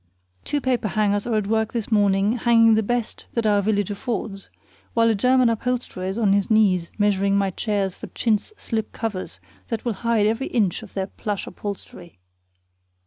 Two paperhangers are at work this moment hanging the best that our village affords, while a German upholsterer is on his knees measuring my chairs for chintz slip covers that will hide every inch of their plush upholstery.